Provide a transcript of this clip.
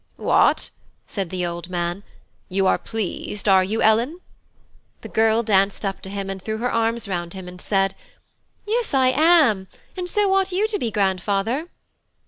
"What!" said the old man, "you are pleased, are you, Ellen?" The girl danced up to him and threw her arms round him, and said: "Yes I am, and so ought you to be grandfather."